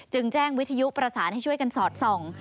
แจ้งวิทยุประสานให้ช่วยกันสอดส่อง